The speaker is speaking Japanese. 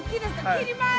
切ります！